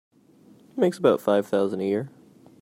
Makes about five thousand a year.